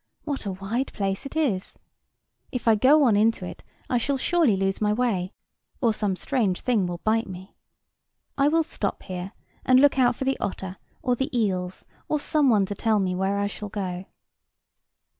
"What a wide place it is! If I go on into it I shall surely lose my way, or some strange thing will bite me. I will stop here and look out for the otter, or the eels, or some one to tell me where I shall go."